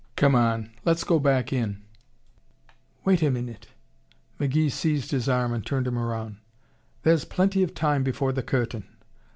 Come on, let's go back in." "Wait a minute!" McGee seized his arm and turned him around. "There's plenty of time before the curtain.